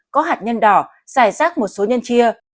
có hạt nhân đỏ dài rác một số nhân chia